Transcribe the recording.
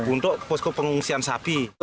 untuk posko pengungsian sapi